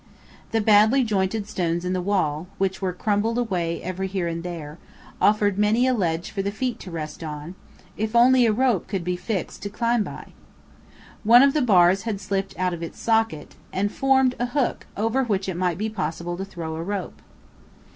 The badly jointed stones in the wall, which were crumbled away every here and there, offered many a ledge for the feet to rest on, if only a rope could be fixed to climb up by. One of the bars had slipped out of its socket, and formed a hook over which it might be possible to throw a rope.